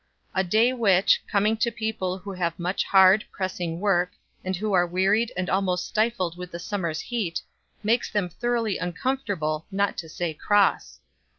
A day which, coming to people who have much hard, pressing work, and who are wearied and almost stifled with the summer's heat, makes them thoroughly uncomfortable, not to say cross.